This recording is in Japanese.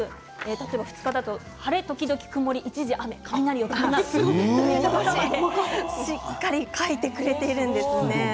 例えば２日は晴れ時々曇り一時雨雷を伴うしっかり書いてくれているんですね。